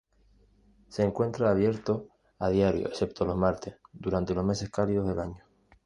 Se encuentra abierto a diario excepto los martes, durante los meses cálidos del año.